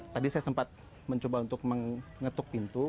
tadi saya sempat mencoba untuk mengetuk pintu